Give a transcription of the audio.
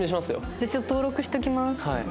じゃあちょっと登録しときます。